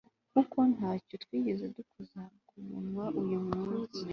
kuko nta cyo twigeze dukoza ku munwa uyu munsi